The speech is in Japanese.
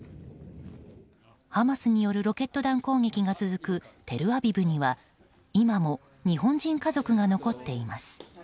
ハマスによるロケット弾攻撃が続くテルアビブには今も日本人家族が残っています。